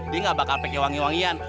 dia gak bakal pakai wangi wangian